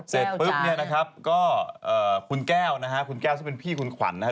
เสร็จปุ๊บเนี่ยนะครับก็จะเป็นพี่คุณขวัญนะฮะ